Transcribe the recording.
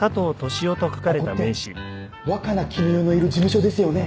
ここって若菜絹代のいる事務所ですよね？